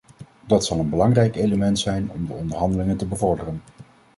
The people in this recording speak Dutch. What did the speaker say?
Dat zal een belangrijk element zijn om de onderhandelingen te bevorderen.